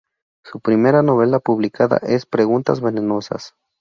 Su primera novela publicada es "Preguntas Venenosas.